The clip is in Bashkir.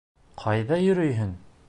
Ҡайҙа йөрөйһөң?